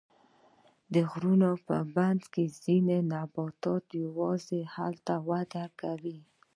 د غرونو منځ کې ځینې نباتات یوازې هلته وده کوي.